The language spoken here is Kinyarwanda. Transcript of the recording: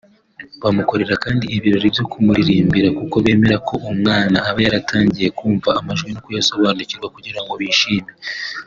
Bamukorera kandi ibirori byo kumuririmbira kuko bemera ko umwana aba yaratangiye kumva amajwi no kuyasobanukirwa kugira ngo yishime